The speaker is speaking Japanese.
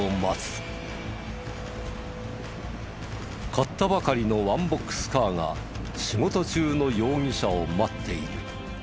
買ったばかりのワンボックスカーが仕事中の容疑者を待っている。